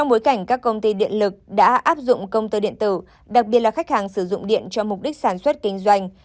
nước đã áp dụng công tơ điện tử đặc biệt là khách hàng sử dụng điện cho mục đích sản xuất kinh doanh